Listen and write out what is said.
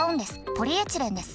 ポリエチレンです。